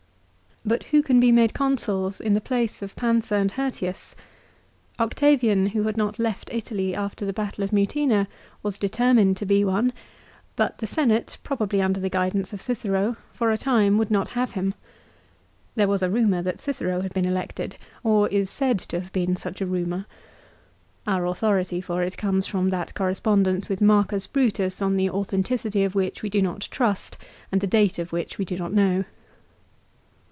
But who can be made Consuls in the place of Pansa and 280 LIFE OF CICERO. Hirtius ? Octavian who had not left Italy after the battle of Mutina was determined to be one ; but the Senate, probably under the guidance of Cicero, for a time would not have him. There was a rumour that Cicero had been elected, or is said to have been such a rumour. Our authority for it comes from that correspondence with Marcus Brutus on the authenticity of which we do not trust and the date of which we do not know.